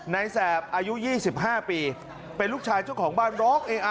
ในแสบอายุยี่สิบห้าปีเป็นลูกชายเจ้าของบ้านโรคเองอ่ะ